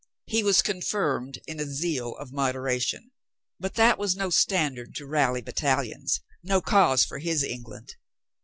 He was confirmed in a zeal of modera tion. But that was no standard to rally battalions, no cause for his England.